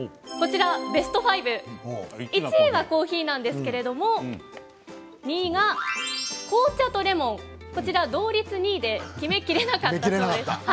ベスト５１位はコーヒーなんですけど２位が紅茶とレモン同率２位で決め切れなかったということです。